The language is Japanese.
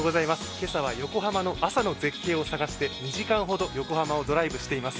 今朝は横浜の朝の絶景を探して２時間ほど横浜をドライブしています。